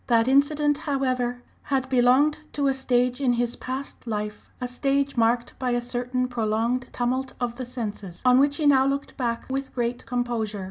That incident, however, had belonged to a stage in his past life, a stage marked by a certain prolonged tumult of the senses, on which he now looked back with great composure.